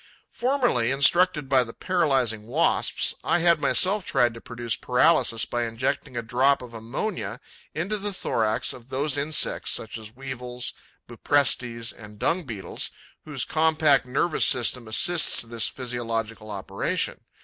Formerly, instructed by the paralysing Wasps, I had myself tried to produce paralysis by injecting a drop of ammonia into the thorax of those insects, such as Weevils, Buprestes, and Dung beetles, whose compact nervous system assists this physiological operation.